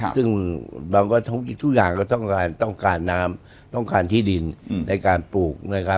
ซึ่งทุกอย่างก็ต้องการน้ำต้องการที่ดินในการปลูก